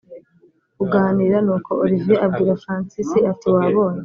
kuganira nuko olivier abwira francis ati”wabonye